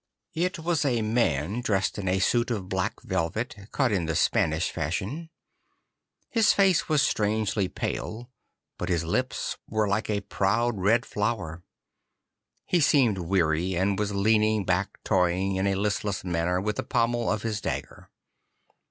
It was a man dressed in a suit of black velvet, cut in the Spanish fashion. His face was strangely pale, but his lips were like a proud red flower. He seemed weary, and was leaning back toying in a listless manner with the pommel of his dagger.